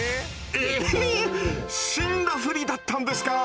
え死んだふりだったんですか。